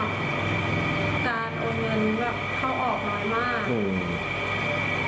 การโอนเงินแบบเข้าออกน้อยมากอืม